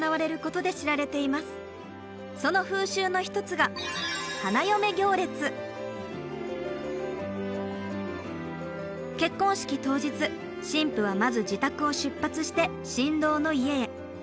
その風習の一つが結婚式当日新婦はまず自宅を出発して新郎の家へ。